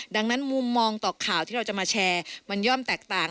ดังนั้นมุมมองต่อข่าวที่เราจะมาแชร์มันย่อมแตกต่าง